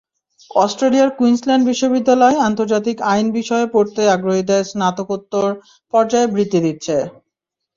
অস্ট্রেলিয়ার কুইন্সল্যান্ড বিশ্ববিদ্যালয় আন্তর্জাতিক আইন বিষয়ে পড়তে আগ্রহীদের স্নাতকোত্তর পর্যায়ে বৃত্তি দিচ্ছে।